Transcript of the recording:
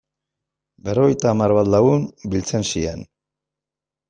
Berrogeita hamar bat lagun biltzen ziren.